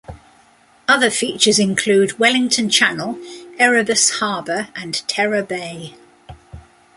Other features include Wellington Channel, Erebus Harbour, and Terror Bay.